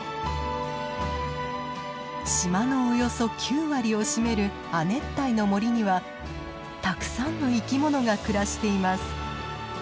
島のおよそ９割を占める亜熱帯の森にはたくさんの生き物が暮らしています。